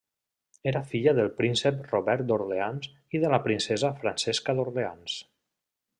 Era filla del príncep Robert d'Orleans i de la princesa Francesca d'Orleans.